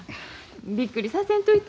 びっくりさせんといて。